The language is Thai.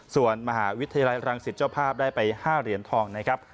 ส่วนมหาวิทยาลัยรังสิตเจ้าภาพได้ไป๕เหรียญทองนะครับ